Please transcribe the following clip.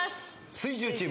水１０チーム。